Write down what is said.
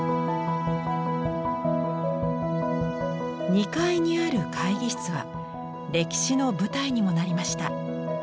２階にある会議室は歴史の舞台にもなりました。